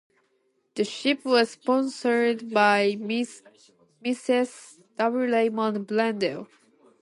The ship was sponsored by Mrs. W. Raymond Brendel.